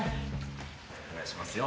お願いしますよ。